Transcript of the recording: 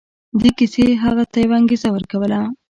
دې کيسې هغه ته يوه انګېزه ورکوله.